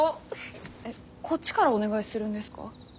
こっちからお願いするんですか？